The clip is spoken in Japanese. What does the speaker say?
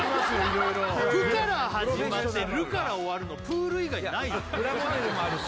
色々「ぷ」から始まって「る」から終わるのプール以外ないよプラモデルもあるし